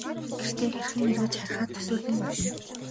Тэрээр гэртээ хэрхэн эргэж харихаа төсөөлөн бодно.